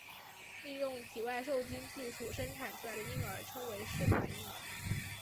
利用体外受精技术生产出来的婴儿称为试管婴儿。